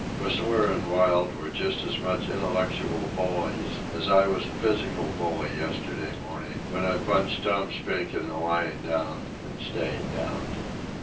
Whistler and Wilde were just as much intellectual bullies as I was a physical bully yesterday morning when I punched Tom Spink into lying down and staying down.